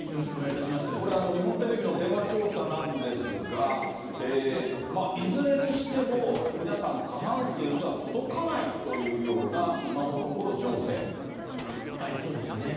これ、日本テレビの電話調査なんですが、いずれにしても皆さん過半数には届かないというような、今のとこそうですね。